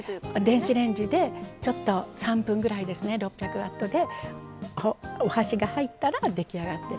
電子レンジで３分ぐらい６００ワットでお箸が入ったら出来上がり。